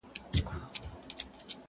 نن دي سترګي سمي دمي ميکدې دی,